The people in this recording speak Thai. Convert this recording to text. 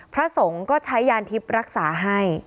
พระสงฆ์ก็ใช้ยานทิพย์รักษาให้